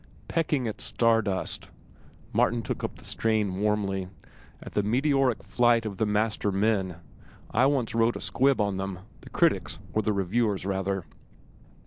"Pecking at star dust," Martin took up the strain warmly; "at the meteoric flight of the master men. I once wrote a squib on them—the critics, or the reviewers, rather."